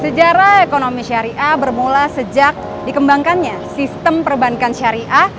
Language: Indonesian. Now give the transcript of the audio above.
sejarah ekonomi syariah bermula sejak dikembangkannya sistem perbankan syariah